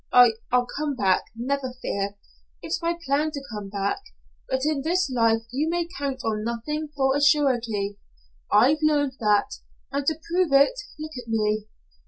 I I'll come back never fear it's my plan to come back, but in this life you may count on nothing for a surety. I've learned that, and to prove it, look at me.